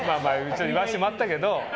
一応言わしてもらったけど。